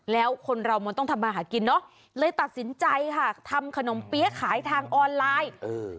แล้วคนเรามันต้องทำมาหากินเนอะเลยตัดสินใจค่ะทำขนมเปี๊ยะขายทางออนไลน์เออ